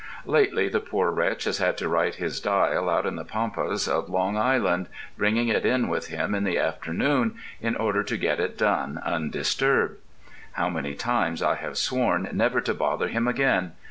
Lately the poor wretch has had to write his Dial out in the pampas of Long Island, bringing it in with him in the afternoon, in order to get it done undisturbed. How many times I have sworn never to bother him again!